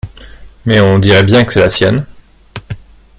Mais on dirait bien que c’est la sienne.